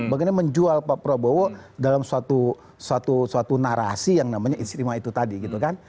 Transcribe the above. bagaimana menjual pak prabowo dalam suatu narasi yang namanya istimewa itu tadi gitu kan